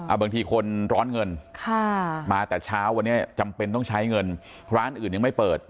บางทีคนร้อนเงินค่ะมาแต่เช้าวันนี้จำเป็นต้องใช้เงินร้านอื่นยังไม่เปิด